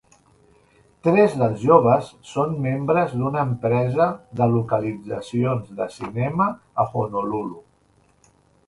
Tres dels joves són membres d'una empresa de localitzacions de cinema a Honolulu.